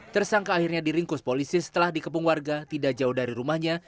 tersangka akhirnya diringkus polisi setelah dikepung warga tidak jauh dari rumahnya